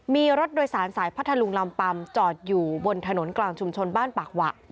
มีรถโดยสารสายพัทธลุงลำปัมจอดอยู่บนถนนกลางชุมชนบ้านปากหวะ